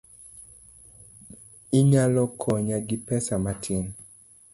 Inyalo konya gi pesa matin?